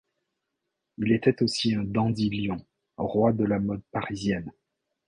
Il était aussi un dandy-lion, roi de la mode parisienne.